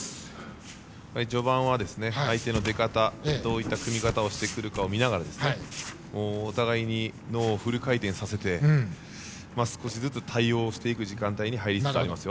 序盤は相手の出方どういった組み方をしているかを見ながらお互いに、脳をフル回転させて少しずつ対応していく時間に入りつつありますよ。